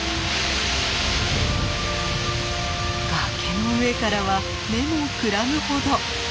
崖の上からは目もくらむほど。